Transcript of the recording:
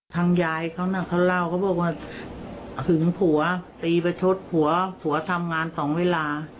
ยายเขาน่ะเขาเล่าเขาบอกว่าหึงผัวตีประชดผัวผัวทำงานสองเวลา